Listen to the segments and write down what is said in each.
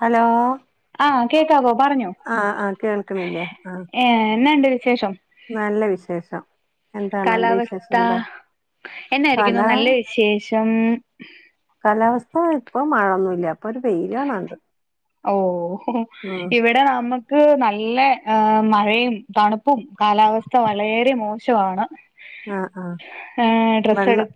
Hello ആഹ് കേക്കാവോ പറഞ്ഞോ ആഹ് ആഹ് കേൾക്ക്ണില്ലേ ആഹ് ഏ എന്നാണ്ട് വിശേഷം നല്ല വിശേഷം എന്താണ് അന്റെ വിശേഷം കാലാവസ്ഥ എന്താ എന്നായിരിക്കുന്നു കാലാ നല്ല ശേഷം കാലാവസ്ഥ ഇപ്പൊ മഴൊന്നുല്ല ഇപ്പൊ ഒരു വെയിലാണാണ്ട് ഓ ഇവിടെ നമ്മ ക്ക് നല്ല ഹ് മഴയും തണുപ്പും കാലാവസ്ഥ വളരെ മോശവാണ്. ആഹ് ആഹ് ഏ ഡ്രസ്സ് എടു വെള്ളം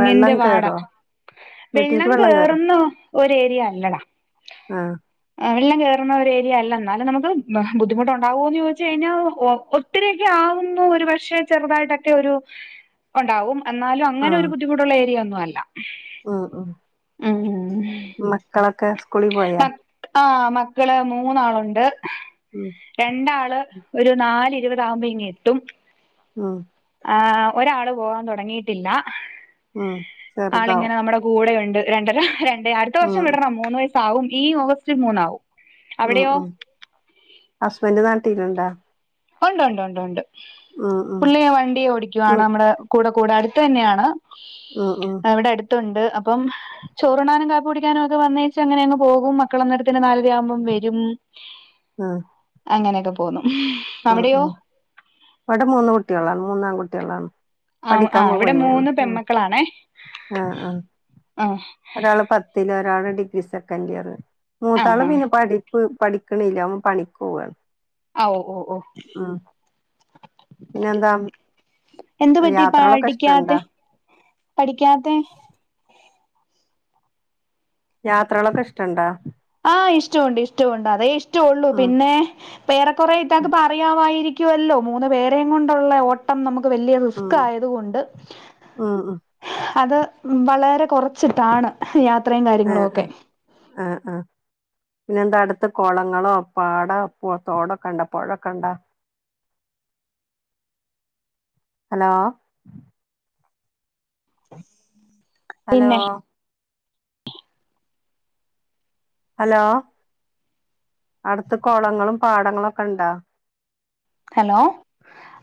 വെള്ളം പാട കേറോ വീട്ടിൽക്ക് വെള്ളം കേറോ കേറുന്നു ഒരു ഏരിയ അല്ലടാ ആഹ് ഏ വെള്ളം കേറുന്ന ഒരു ഏരിയല്ല ഇന്നാലും നമുക്ക് ബു ബുദ്ധിമുട്ടുണ്ടാവോന്ന് ചോയ്ച്ച് കഴിഞ്ഞാൽ ഓ ഒ ത്തിരിയൊക്കെ ആവുന്നു ഒരു പക്ഷേ ചെറുതായിട്ടൊക്കെ ഒരു ഒണ്ടാവും. എന്നാലും അങ്ങനെ ഒരു ആഹ് ബുദ്ധിമുട്ടുള്ള ഏരിയ ഒന്നുംഅല്ല. ഉം ഉ മക്കളൊക്കെ സ്കൂളി പോയോ? ആഹ് മക്കള് മൂന്നാളുണ്ട്. ഉം. രണ്ടാള് ഒരു നാല് ഇരുപതാകുമ്പേ ഇങ്ങ് എത്തും. ആഹ് ആഹ് ഒരാള് പോകാൻ തൊടങ്ങീട്ടില്ല, ഉം ചെറുതാവും ആളിങ്ങനെ നമ്മടെ കൂടെയുണ്ട് രണ്ടര രണ്ടേ അടുത്ത വർഷം ഉം വിടണം മൂന്ന് വയസാവും ഈ ഓഗസ്റ്റിൽ മൂന്നാവും. ഉം അവിടെയോ ഉം ഹസ്ബൻഡ് നാട്ടീലുണ്ടോ? ഉണ്ട് ഉണ്ട് ഉണ്ട് ഉണ്ട് ഉം ഉം പുള്ളിയെ വണ്ടിയൊടിക്കുവാണ് നമ്മള്കൂടെ കൂടെ അടുത്തന്നെയാണ്. ഉം ഉം ഉം എവിടെ അടുത്തുണ്ട് അപ്പം ചോറുണാനും കാപ്പികുടിക്കാനും ഒക്കെ വന്നേച്ച അങ്ങനെ അങ്ങ് പോകും മക്കളന്നേരത്തിന് നാലരയാവുമ്പം വെരും. ആഹ് അങ്ങനെയൊക്കെ പോന്നു. ആഹ് അവിടെയോ ആഹ് അവിടെ മൂന്ന് കുട്ട്യാളാണ് മൂന്നാകുട്ട്യാളാണ്. ആഹ് ആഹ് ഇവടെ മൂന്ന് പെമ്മക്കളാണേ ആഹ് ആഹ് ആഹ് ഒരാള് പത്തില്, ഒരാള് ഡിഗ്രി സെക്കൻ്റിയറ് ആ മൂത്താള് ആ പിന്നെ പഠി പ് പഠിക്ക്ണ്ല്ല ഓൻപണിക്കോവാണ്. ആഹ് ഓ ഓ. പിന്നെന്താ എന്ത് പറ്റി യാത്രകളൊക്കെ ഇഷ്ടണ്ടാ പാടിക്കാത്തെ? പഠിക്കാത്തേ യാത്രകളൊക്കെ ഇഷ്ടണ്ടോ? ആഹ് ഇഷ്ട ഒണ്ട് ഇഷ്ടഒണ്ട് അതെ ഇഷ്ട ഒള്ളു ഉം പിന്നെ പേറെ കൊറേ ഇത്താക്ക് പറയാമായിരിക്കുവല്ലോ മൂന്ന് പേർ തേങ്ങുണ്ടെള്ളഓട്ടം നമുക്ക് വല്ല്യ ഉം റിസ്ക് ആയത് കൊണ്ട്. ഉം ഉം അത് വളരെ കൊർച്ച്ട്ടാണ് യാത്രയും കാര്യങ്ങളും ആഹ് ഒക്കെ. ആഹ് ആഹ് പിന്നെ എന്താ അടുത്ത് കൊളങ്ങളോ, പാടോ, പൊ തോടൊക്കെണ്ടോ പുഴൊക്കെണ്ടോ? ഹലോ [inaudible] ഹലോ ഹലോ അടുത്ത് കൊളങ്ങളും പാടങ്ങളും ഒക്കെ ഉണ്ടോ? ഹലോ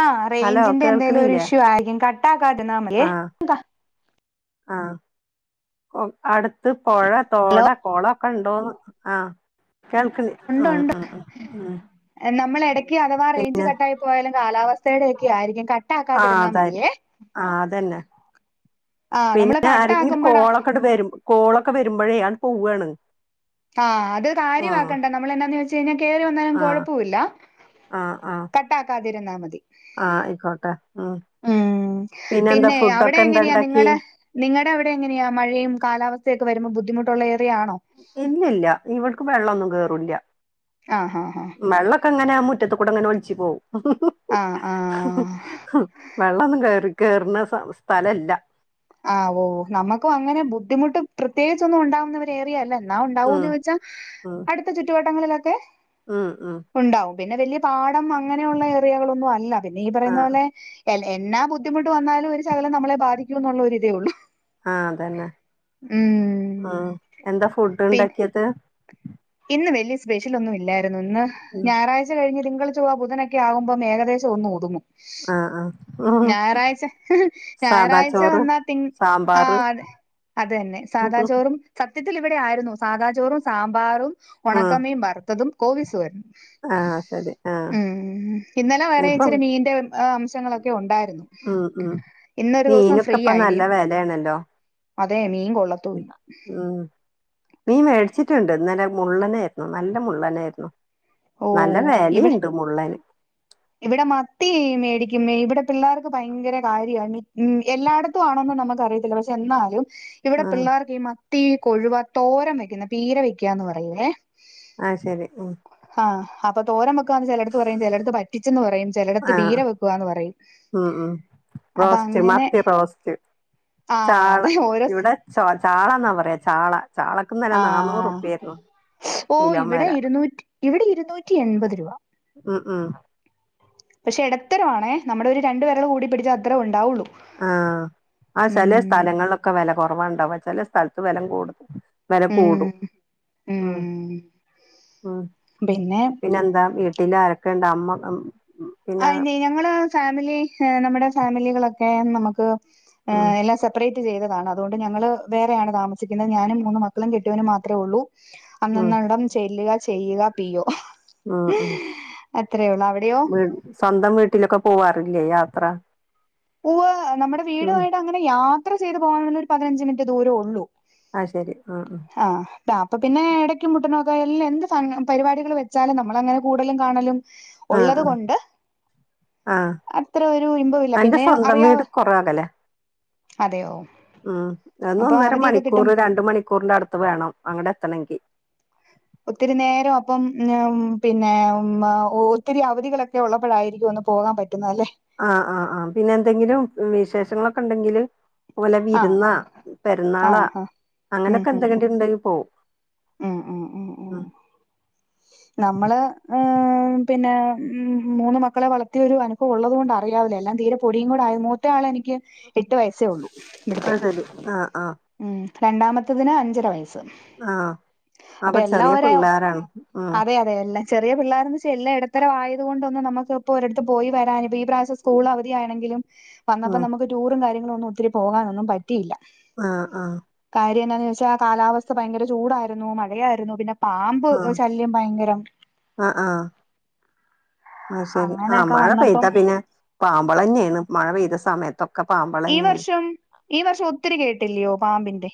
ആ ഹലോ റേഞ്ചിന്റെ എന്തേലും ഒരു കേൾക്കണില്ലേ ഇഷ്യൂ ആയിരിക്കും കട്ടാക്കാതിരുന്നാൽ മതിയേ. ആഹ് ആഹ് അടുത്ത് പൊഴ തോട് കൊളം കണ്ടോ ആഹ് കേൾക്കുന്നി ഉണ്ട് ഉണ്ട് നമ്മള് എടക്ക് അഥവാ റേഞ്ച് കട്ടായി പോയാലും കാലാവസ്ഥയുടെ ഒക്കെ ആയിരിക്കും ക ആഹ് അതായിരിക്കും ആഹ് അതന്നെ. ആഹ് നമ്മള് പിന്നെ ആരെങ്കിലും കട്ടാക്കുമ്പോഴാ കോളൊക്കെണ്ട് വരും കോളൊക്കെ വരുമ്പോഴേ അത് പോവാണ്. ആഹ് അത് ആഹ് കാര്യവാക്കണ്ട നമ്മൾ എന്താന്ന് വെച്ച് കഴിഞ്ഞാൽ കേറി വന്നാലും ആഹ് കൊഴപ്പമില്ല. ആഹ് ആഹ് കട്ടാക്കാതിരുന്നാ മതി. ആഹ് ആയിക്കോട്ടെ ഉം ഉം പിന്നെന്താ പിന്നെ അവിടെ ഫുഡൊക്കെ എന്താ എങ്ങനെയാ ഉണ്ടാക്കിയേ നിങ്ങളെ നിങ്ങടെ അവടെ എങ്ങനെയാ മഴയും കാലാവസ്ഥയൊക്കെ വരുമ്പോ ബുദ്ധിമുട്ടുള്ള ഏരിയ ആണോ ഇല്ലില്ല ഇവടേക്ക് വെള്ളമൊന്നും കേറൂല്ല. ആഹ് ആഹ് ആഹ് വെള്ളൊക്കെ ഇങ്ങനെ ആ മുറ്റത്ത് കൂടെ ഇങ്ങനെ ഒലിച്ച് പോവും. ആഹ് ആഹ് വെള്ളൊന്നും കേറും കേറുന്ന സ്ഥലവല്ല. ആഹ് ഓ നമുക്കും അങ്ങനെ ബുദ്ധിമുട്ട് പ്രത്യേകിച്ചൊന്നും ഉണ്ടാവുന്ന ഒരു ഏരിയ അല്ല അത് എന്നാ ഉം ഉണ്ടാവോന്നു ചോദിച്ചാൽ ഉം അടുത്ത ചുറ്റുവട്ടങ്ങളിലൊക്കെ ഉം ഉം ഉണ്ടാവും പിന്നെ വലിയ പാടം അങ്ങനെയുള്ള ഏരിയകൾ ഒന്നും അല്ല പിന്നെ ഈ പറയുന്ന ആഹ് പോലെ എ എന്നാ ബുദ്ധിമുട്ട് വന്നാലും ഒരു ശകലം നമ്മളെ ബാധിക്കും എന്നുള്ള ഒരിതേ ഉള്ളൂ ആഹ് അതന്നെ ഉം ഉം എന്താ ഫുഡ് പിൻ ഉണ്ടാക്കിയക്കെ ഇന്ന് വല്ല്യ സ്പെഷ്യലൊന്നും ഇല്ലായിരുന്നു, ഇന്ന് ഉം ഞായറാ ച്ച കഴിഞ്ഞ് തിങ്കൾ ചൊവ്വ ബുധനൊക്കെ ആകുമ്പം ഒന്ന് ഏകദേശം ഒന്ന് ഒതുങ്ങും ആഹ് ആഹ് ഞായറാഴ്ച സാദാ ഞായറാഴ്ച ചോറ് വന്നാ തി ആ സാമ്പാറ് അതെ അതു തന്നെ സാദാ ചോറും സത്യത്തിൽ ഇവിടെ ആയിരുന്നു സാദാചോറും സാമ്പാറും ആഹ് ഉണക്കമീൻ വറുത്തതും കോവീസ് തോരനും. ആഹ് ശരി ആഹ് ഉം ഇന്നലെ വരെ ഇപ്പം ഇച്ചിരി മീന്റെ അം ങ്ങളൊക്കെ ഉണ്ടായിരുന്നു ഉം ഉം ഇന്നൊരു ദിവസം മീനൊക്കെ ഇപ്പ ഫ്രീയാ ഇനി നല്ല വെലയാണല്ലോ അതെ മീൻ കൊള്ളത്തുവില്ല ഉം മീൻ മേടിച്ചിട്ടുണ്ട് ഇന്നലെ മുള്ളനായിരുന്നു നല്ല മുള്ളനായിരുന്നു ഓ നല്ല ഇവിടെ വെലയുണ്ട് മുള്ളന് ഇവിടെ മത്തി മേടിക്കും ഇവിടെ പിള്ളേർക്ക് ഭയങ്കര കാര്യവാ എല്ലായിട ത്തും ആണോന്ന് നമുക്കറിയത്തില്ല പക്ഷെ എന്നാലും ഇവിടെ ആഹ് പിള്ളേർക്ക് ഈ മത്തി, കൊഴുവ തോരൻ വെക്കുന്ന പീര വെക്കുകാന്ന് പറയുവേ അത് ശരി ഉം ആഹ് അപ്പ തോരൻ വെക്കുകാന്ന് ചിലടുത്ത് പറയും ചിലടുത്ത് വറ്റിച്ചെന്ന് പറയും ചെലടത്ത് ആഹ് ബീര വെക്കുവാന്ന് പറയും ഉം ഉം അപ്പൊ റോസ്റ്റ് അങ്ങനെ മത്തി റോസ്റ്റ് ആഹ് ചാള അത് ഓരോ ഇവിടെ ച ചാള എന്നാ പറയാ ചാള ചാള ആഹ് ഓഹ് കിലോം ഇവിടെ വെല ഇരുന്നൂറ്റി ഇവിടെ ഇരുന്നൂറ്റി എൺപത് രൂപ ഉം ഉം പക്ഷെ ഇടത്തരം ആണേ നമ്മുടെ ഒരു രണ്ട് വിരല് കൂട്ടി പിടിച്ചാൽ അത്രേം ഉണ്ടാവുള്ളു ആഹ് ആ ചില സ്ഥലങ്ങളിലൊക്കെ വില കുറവാണ്ടാവും ചെല സ്ഥലത്ത് വില കൂടും വെല ഉം കൂടും ഉം ഉം പിന്നെ പിന്നെന്താ വീട്ടില് ആരൊക്കെ ഒണ്ട് അമ്മ പിന്നെ അയിന് ഞങ്ങള് ഫാമിലി നമ്മുടെ ഫാമിലികളൊക്കെ നമുക്ക് ഉം ഏഹ് എല്ലാ സെപ്പറേ റ്റ് ചെയ്തതാണ് അതുകൊണ്ട് ഞങ്ങള് വേറെയാണ് താമസിക്കുന്നത്. ഞാനും മൂന്ന് മക്കളും കെട്ടിയവനും മാത്രേ ഉള്ളൂ ഉം അന്നന്നടം ചെല്ലുക ചെയ്യുക പി ഒ ഉം ഉം അത്രേയുള്ളൂ. അവിടെയോ? വീ സ്വന്തം വീട്ടിലൊക്കെ പോവാറില്ലേ? യാത്ര? ഉവ്വ്! നമ്മുടെ ഉം വീടുമായിട്ട് അങ്ങനെ യാത്ര ചെയ്ത് പോവാൻ പറ്റുന്ന ഒരു പതിനഞ്ച് മിനിറ്റ് ദൂരോള്ളു ആഹ് ശരി ആഹ് ആഹ് ആഹ്! അപ്പ പിന്നെ ഇടയ്ക്കും മുട്ടിനോക്കെ എല്ലാം എന്ത് സാ പരിപാടികൾ വെച്ചാലും നമ്മളങ്ങനെ കൂടലും കാണലും ആഹ് ഉള്ളത് ആഹ് കൊണ്ട് ആഹ് അത്ര ഒരു ഇമ്പം ഇല്ല അന്റെ സ്വന്തം വീട് കുറേ അകലെയാ അതെയോ ഉം.. അപ്പൊ ഒന്നൊന്നര അവധിയൊക്കെ കിട്ടും മണിക്കൂറ് ര ണ്ട് മണിക്കൂറിന്റെ അടുത്ത് വേണം അങ്ങ്ട് എത്തണെങ്കിൽ ഒത്തിരി നേരം അപ്പം ഉം പിന്നെ ഒത്തിരി അവധികളൊക്കെ ഉള്ളപ്പോഴായിരിക്കും ഒന്ന് പോകാൻ പറ്റ് പറ്റുന്നതല്ലേ ആഹ് ആഹ് ആഹ് പിന്നെ എന്തെങ്കിലും വിശേഷങ്ങളൊക്കെ ഉണ്ടെങ്കില് പോലെ ആഹ് വിരുന്നാ, പെരുന്നാളാ, ആഹ് ആഹ് ഉം അങ്ങനെയൊക്കെ ഉം എന്തെങ്കിലും ഉണ്ടെൽ പോവും. ഉം നമ്മള് ഉം പിന്നെ മൂന്ന് മക്കളെ വളർത്തിയൊരുവാണ്. ഒള്ളതുകൊണ്ട് അറിയവല്ലോ എല്ലാം തീരെ പൊടിയും കൂടെ ആയ മൂത്ത ആളെനിക്ക് എട്ട് വയസ്സേ ഉള്ളൂ. ഇവിടത്തെ അത് ശരി ആഹ് ആഹ് ഉം രണ്ടാമത്തതിന് അഞ്ചര വയസ്സ് ആഹ്! അപ്പൊ ചെറിയ പിള്ളേരാണ് ഉം അതെയല്ലെ ചെറിയ പിള്ളേരെന്നെച്ചാ എല്ലാ ഇടത്തരം ആയത് കൊണ്ടൊന്ന് നമുക്ക് ഇപ്പൊരിടത്ത് പോയി വരാനിപ്പാ ഈപ്രാവ സ്കൂൾ അവധിയാണെങ്കിലും വന്നപ്പോ ഉം നമുക്ക് ടൂറും കാര്യങ്ങളൊന്നും ഒത്തിരി പോകാനൊന്നും പറ്റിയില്ല ആഹ് ആഹ് കാര്യെന്താന്ന് ചോദിച്ചാ ആ കാലാവസ്ഥ ഭയങ്കര ചൂടായിരുന്നു മഴയായിരുന്നു പിന്നെ പാമ്പ് ആഹ് ശല്യം ഭയങ്കരം ആഹ് ആഹ് ആഹ് ശെരി ആഹ് അങ്ങനെയൊക്കെ മഴ പെയ്ത വന്നപ്പം പിന്നെ പാമ്പ്കളന്നെയാണ് മഴ പെയ്ത സമയത്തൊക്കെ പാമ്പാ ഈ വർഷം ഈ വർഷം ഒത്തിരി കെട്ടില്ല്യോ പാമ്പിന്റെ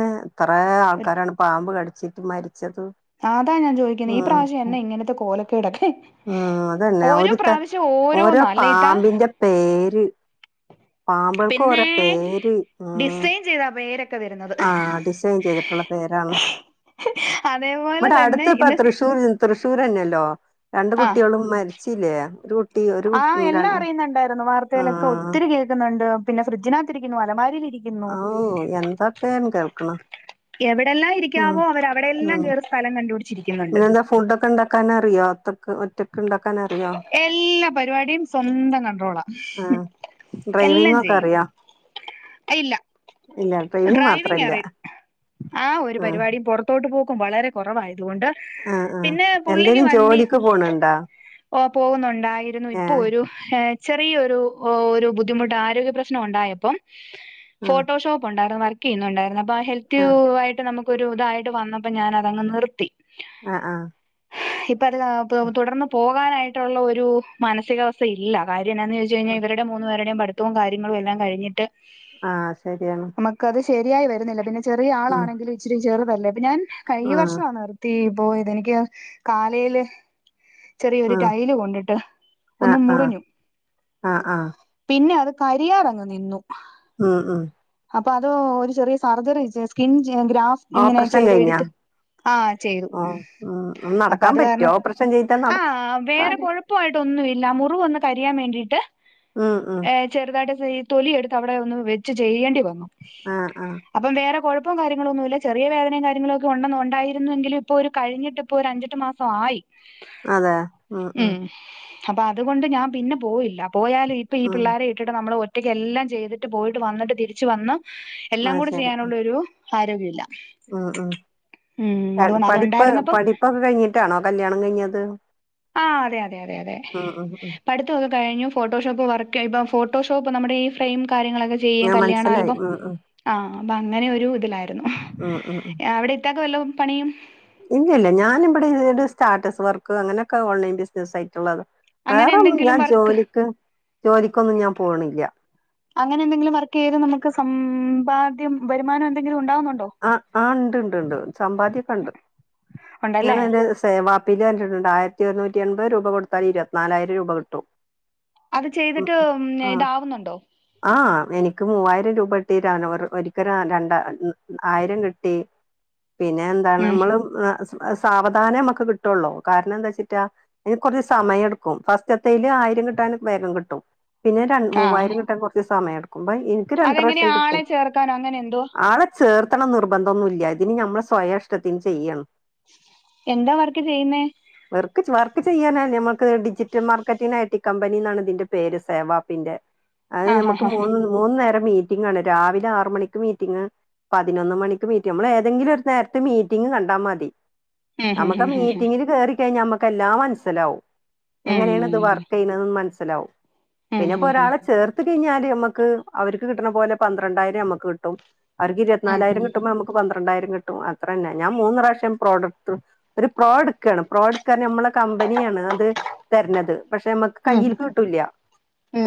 ഏഹ് എത്ര ഒരു, ആൾക്കാരാണ് പാമ്പ് കടിച്ചിട്ട് മരിച്ചത് അതാ ഞാൻ ചോദിക്കുന്നെ ഈ പ്രാവശ്യം എന്ന ഇങ്ങനത്തെ കോലക്കേടൊക്കെ മ്മ് അതന്നെ ഓരോ ഒരുത പ്രാവശ്യം ഓരോ ഓരോന്ന അല്ലേ ഇത്താ പാമ്പിന്റെ പേര് പാമ്പ്കൾക്കോരോ പേര് ഉം ച്ചിടെ പേരെ ആഹ് ഡിസൈൻ ചെയ്തിട്ടുള്ള പേരാണ് അതേപോലെ തന്നെ ഇന്ന് ഇവ്ടടുത്തുപ്പാത്ര [unintelligible] തൃശ്ശൂരെന്നെല്ലോ രണ്ട് ആ കുട്ടികളും മരിച്ചില്ലേ ഒരു ഒരു ആഹ് കു ര എല്ലാം അറിയുന്നുണ്ടായിരുന്നു വാർത്തയിലൊക്കെ ആഹ് ഒത്തിരി കേക്കുന്നുണ്ട് പിന്നെ ഫ്രിഡ്ജിനകത്തിരിക്കുന്നു അലമാരിലിരിക്കുന്നു ഔ എന്തൊക്കെയാണ് കേൾക്ക്‌ണ് എവിടെല്ലാം ഇരിക്കാവോ അവരവിടെല്ലാം ഉം കേറി സ്ഥലം കണ്ടുപിടി പിന്നെന്താ ഫുഡൊക്കാ ഇണ്ടാക്കാനറിയോ ഒത്താക്ക് ഒറ്റക്ക്‌ണ്ടാ എല്ലാ പരിപാടിയും സ്വന്തം കണ്ട്രോളാ ഡ്രൈവിങ്ങൊക്കറിയോ ഇല്ല ഡ്രൈവിംഗ് മാത്രല്ല ഡ്രൈവിങ്ങറിയി ആഹ് ഒരു പരിപാടിയും പൊറ ത്തോട്ട് പോക്കും വളരെ കൊറവായതുകൊണ്ട് ആഹ് ആഹ് പിന്നെ പുള്ളിക്ക് എന്തേലും വണ്ടി ജോലിക്ക് പോണുണ്ടോ ഓ പോകുന്നുണ്ടായിരുന്നു ഇപ്പൊ ഏഹ് ഒരു ഏഹ് ചെറിയൊരു ഒരു ബുദ്ധിമുട്ട് ആരോഗ്യപ്രെശ്നം ഉണ്ടായപ്പം ആഹ് ഫോട്ടോഷോപ്പുണ്ടായിരുന്നു വർക്കെയ്യുന്നുണ്ടായിരുന്നു അപ്പൊ ആ ഹെൽത്തുആയിട്ട് നമുക്ക് ഒരു ഇതായിട്ട് വന്നപ്പോ ഞാനതങ്ങ് നിർത്തി ആഹ് ആഹ് ഇപ്പത് തുടർന്ന് പോകാനായിട്ടുള്ള ഒരു മാനസികാവസ്ഥയില്ല കാര്യെന്നാന്ന് ചോദിച്ച് കഴിഞ്ഞാ ആഹ് ഇവര്ടെ മൂന്ന്പേരുടെയും പഠിത്തവും കാര്യങ്ങളും എല്ലാം കഴിഞ്ഞിട്ട് ആഹ് ശെരിയാണ് ക്കത് ശെരിയായി വരുന്നില്ല പിന്നെ ചെറിയ ആളാണെങ്കിലും ഇച്ചിരി ചെറുതല്ലേ അപ്പഞാൻ കഴിഞ്ഞ ആഹ് വർഷമാണ് തീ പോയതെനിക്ക് കാലയില് ചെറിയൊരു ആഹ് ടൈല് കൊണ്ടിട്ട് ഒന്ന് ആഹ് ആഹ് മുറിഞ്ഞു ആഹ് ആഹ് പിന്നത് കരിയാറങ്ങ് നിന്നു ഉം ഉം അപ്പതോ ഒരു ചെറിയ സർജറി സ്കിൻ ചെയ്യാ ഗ്രാഫ് ഇങ്ങനെ ഓപ്പറേഷൻ കഴിഞ്ഞാ ചെയ്തെട്ത്ത് ആഹ് ചെയ്തു ആഹ് ഉം അപ്പ നടക്കാൻ അത് പറ്റോ കാരണം ഓപ്പറേഷൻ ചെയ്താ ആഹ് വേറെ നടക്കാന് കൊഴപ്പായിട്ടൊന്നും ഇല്ല മുറിവൊന്ന് കരിയാൻ വേണ്ടിട്ട് ആ ആ ചെറുതായിട്ട് തൊലിയെട്ത്ത് അവിടെയൊന്ന് വെച്ച് ചെയ്യേണ്ടി വന്നു ആ ആ അപ്പം വേറെ കൊഴപ്പം കാര്യങ്ങളൊന്നുല്ല ചെറിയ വേദനേം കാര്യങ്ങളൊക്കുണ്ടെന്നും ഉണ്ടായിരുന്നുവെങ്കിലും ഇപ്പൊരു കഴിഞ്ഞിട്ടിപ്പൊ ഒരഞ്ചെട്ട് മാ ഫായി അതെയാ ഉം ഉം അപ്പ അതുകൊണ്ട് ഞാൻ പിന്നെ പോയില്ല പോയാലെ ഇപ്പീ ഉം പിള്ളേരെ ഇ ട്ടിട്ട് നമ്മള് ഒറ്റക്ക് എല്ലാം ചെയ്തിട്ട് പോയിട്ട് വന്നിട്ട് തിരിച്ച് വന്ന് എല്ലാം ആഹ് കൂടെ ശരി ചെയ്യാനുള്ളൊരു ആരോഗ്യം ഇല്ല ഉം ഉം പഠിപ്പ് അതുണ്ടായിരുന്നപ്പം പഠിപ്പൊക്കെ കയിഞ്ഞിട്ടാണോ കല്യാണം കയിഞ്ഞത് ആഹ് അതെ അതെ അതെ അതെ പഠിത്തൊക്കെ കഴിഞ്ഞു ഫോട്ടോ ഷോപ്പ് വർക്ക് ഇപ്പൊ ഫട്ടോഷോപ്പ് നമ്മുടെ ഈ ഫ്രെയിം കാര്യങ്ങളൊക്കെ ചെയ്യും ഞാൻ കല്യാണ മനസ്സിലായി ആൽബം ഉം ഉം ആഹ് അപ്പൊ അങ്ങനൊരു ഇതിലായിരുന്നു ഉം ഉം അവിടെ ഇത്താക്ക് വല്ലതും പണിയും ഇല്ല ഇല്ല ഞാനിവടെ ഇബടെ സ്റ്റാറ്റസ് വർക്ക് അങ്ങനെയൊക്കെ ഓൺലൈൻ ബിസിനസ് ആയിട്ടുള്ളത് അങ്ങനെ വേറൊന്നും ഞാൻ എന്തെങ്കിലും വർക്ക് ജോലിക്ക് ജോലിക്കൊന്നും ഞാൻ പോണില്ല അങ്ങനെ എന്തെങ്കിലും വർക്കെയ്ത് നമുക്ക് സമ്പാദ്യം വരുമാനം എന്തെങ്കിലും ഉണ്ടാവുന്നുണ്ടോ ആഹ് ആഹ് ണ്ട് ണ്ട് ണ്ട് സമ്പാദ്യൊക്കെണ്ട് ഉണ്ടല്ലേ ഞാനയിന്റെ സേവാപ്പ് [unintelligible] ആയിരത്തി ഒരുന്നൂറ്റി എൻപത് രൂപ കൊടുത്താൽ ഇരുവത്തിനാലായിരം രൂപ കിട്ടും അത് ചെയ്തിട്ട് ഉം ആഹ് ഇതാവുന്നുണ്ടോ ആഹ് എനിക്ക് മൂവായിരം രൂപ കിട്ടിട്ടാണ് ഒർ ഒരിക്കല് രണ്ടാ ആയിരം കിട്ടി പിന്നെ എന്താണ് ഉം അമ്മള് സാവധാനേ അമ്മക്ക് കിട്ടൊള്ളൂ കാരണം എന്താച്ചിട്ടാ അയിന് കുറച്ച് സമയെട്ക്കും ഫസ്റ്റത്തെയില് ആയിരം കിട്ടാന് വേഗം കിട്ടും പിന്നെ ആഹ് മൂവായിരം കിട്ടാൻ കുറച്ച് സമയെടുക്കും ഇൻക്ക് രണ്ട് അതെങ്ങനെയാ പ്രാവശ്യം കിട്ടി ആളെ ചേർക്കാനോ അങ്ങനെ എന്തോ ആളെ ചേർത്തണം നിർബന്ധൊന്നുല്ല ഇതിന് നമ്മളെ സ്വയഷ്ടത്തിന് ചെയ്യാണ് എന്താ വർക്ക് ചെയ്യുന്നേ വർക്ക് വർക്ക് ചെയ്യാന ഞമ്മക്ക് ഡിജിറ്റൽ മാർക്കറ്റിംഗ് ഐ ടി കമ്പനിന്നാണ് ഇതിന്റെ പേര് സേവാപ്പ് പ്പിൻ്റെ അഹ് ആഹ് ഞമ്മക്ക് ഹാ മൂന്ന് നേരം മീറ്റിംഗാണ് രാവിലെ ആറ് മണിക്ക് മീറ്റിംഗും പതിനൊന്ന് മണിക്ക് മീറ്റി അമ്മള് ഏതെങ്കിലും ഒരു നേരത്ത് മീറ്റിംഗ് കണ്ടാ മതി ഹാ അമ്മക്ക് ആ ഹാ മീറ്റിംഗില് കേറിക്കഴിഞ്ഞാ അമ്മക്ക് എല്ലാം മനസ്സിലാവും ഉം എങ്ങനേണ് ഇത് വർക്ക് ചെയ്യ്ണെന്ന് മനസ്സിലാവും ഹും ഹും പിന്നെപ്പൊ ഹും ഹും ഒരാളെ ചേർ ത്ത് കഴിഞ്ഞാല് ഞമ്മക്ക് അവർക്ക് കിട്ട്ണ പോലെ പന്ത്രണ്ടായിരം അമ്മക്ക് കിട്ടും അവർക്ക് ഇരുവത് ഉം നാലായിരം കിട്ടുമ്പൊ അമ്മ ക്ക് പന്ത്രണ്ടായിരം കിട്ടും അത്രെന്നെ ഞാൻ മൂന്ന് പ്രാവശ്യം പ്രോഡക്റ്റ് ത്റു ഒരു പ്രോ ഇട്ക്കാണ് പ്രോ ഇട്ക പറഞ്ഞാല് ഞമ്മളെ കമ്പനിയാണ് അത് തര്നത് പക്ഷെ അമ്മ ഉം കയ്യിൽക്ക് കിട്ടൂല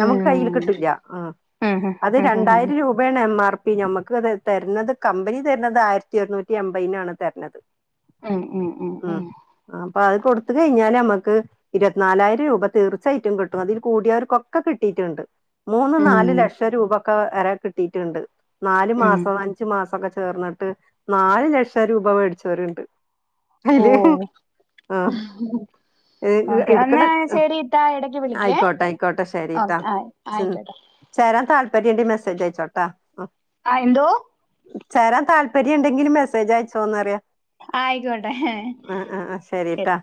നമ്മക്ക് കയ്യിൽക്ക് കിട്ടില്ല ആഹ് ഹും ഉം അത് ഹും ഉം ഉം ഉം ഹും ഹും ഹും ഹും രണ്ടായിരം ഹും രൂ പേണ് എം ആർ പി ഞമ്മക്ക് അത് തര്നത് കമ്പനി തര്നത് ആയിരത്തി ഒരുനൂറ്റി എമ്പയിനാണ് തര്നത് ഉം ഉം ഉം ഉം ആ അപ്പൊ അത് കൊടുത്ത് കഴിഞ്ഞാല് അമ്മക്ക് ഇരുവത് ന്നാലായിരം രൂപ തീർച്ചയായിട്ടും കിട്ടും അതിൽ കൂടിയവർക്കൊക്കെ കിട്ടിയിട്ട്ണ്ട് മൂന്ന് ഉം നാല് ഉം ലക്ഷം രൂപ ഒക്കെ വരെ കിട്ടിയിട്ട്ണ്ട് നാലു ഉം മാസ് അഞ്ചു മാസൊക്കെ ചേർന്നിട്ട് നാല് ലക്ഷം രൂപ വേടിച്ചോര്ണ്ട് അയില് ഓഹ് ഹ് ഉം ഓക്കെ എന്നാ എടുക്കണ് ആഹ് ശരി ഇത്താ ഇടക്ക് വിളിക്കേ ആയിക്കോട്ടെ ആയിക്കോട്ടെ ഓ ശരിട്ടൊ ആഹ് ആയിക്കോട്ടെ ചേരാൻ താല്പര്യണ്ടെ മെസ്സേജ് അയച്ചോ ട്ടാ ആഹ് എന്തോ ചേരാൻ താല്പര്യംണ്ടെങ്കില് മെസ്സേജ് അയച്ചോന്നറിയ ആയിക്കോട്ടെ ആഹ് ആഹ് ആഹ് ശരി ട്ടാ